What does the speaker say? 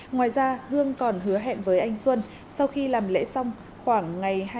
ngoài ra hương còn hứa hẹn với anh xuân sau khi làm lễ xong khoảng ngày hai mươi